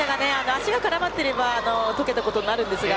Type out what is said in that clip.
足が絡まっていれば解けたことになるんですが。